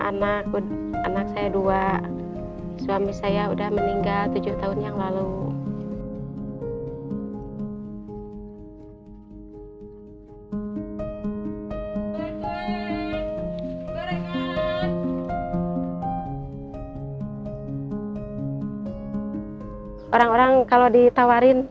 anak anak saya dua suami saya udah meninggal tujuh tahun yang lalu orang orang kalau ditawarin